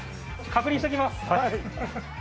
確認しておきます。